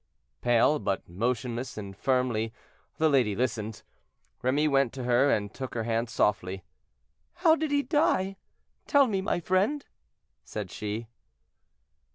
Pale, but motionless and firmly, the lady listened; Remy went to her and took her hand softly. "How did he die; tell me, my friend?" said she.